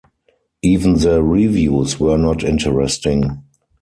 Even the reviews were not interesting.